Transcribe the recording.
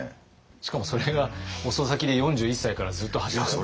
しかもそれが遅咲きで４１歳からずっと続いてる。